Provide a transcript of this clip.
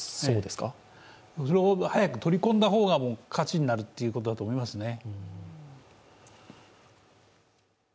早く取り込んだ方が勝ちになるということだと思いますね。